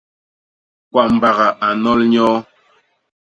Kwambaga a nnol nyoo.